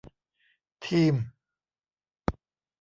ทีม